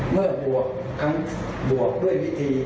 เมื่อบวกด้วยวิธี